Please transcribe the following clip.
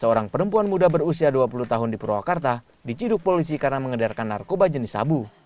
seorang perempuan muda berusia dua puluh tahun di purwakarta diciduk polisi karena mengedarkan narkoba jenis sabu